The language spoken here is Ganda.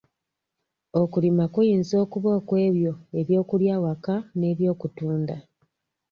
Okulima kuyinza okuba okw'ebyo eby'okulya awaka n'eby'okutunda.